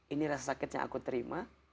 ini rasa sakit yang aku terima